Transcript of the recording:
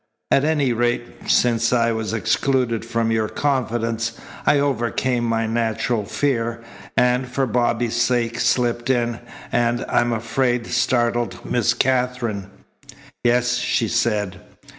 At any rate, since I was excluded from your confidence, I overcame my natural fear, and, for Bobby's sake, slipped in, and, I am afraid, startled Miss Katherine." "Yes," she said.